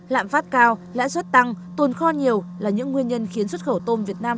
lạm phát cao lãi suất tăng tồn kho nhiều là những nguyên nhân khiến xuất khẩu tôm việt nam